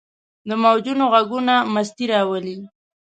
د موجونو ږغونه مستي راولي.